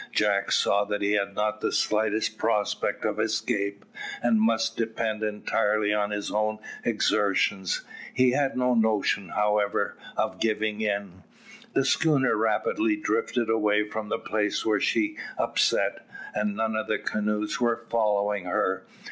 Jack saw that he had not the slightest prospect of escape, and must depend entirely on his own exertions. He had no notion, however, of giving in. The schooner rapidly drifted away from the place where she upset, and none of the canoes were following her.